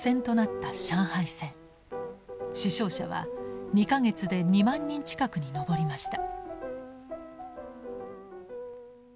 死傷者は２か月で２万人近くに上りました。